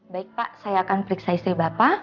baik pak saya akan periksa istri bapak